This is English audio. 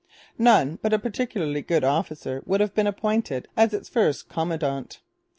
None but a particularly good officer would have been appointed as its first commandant.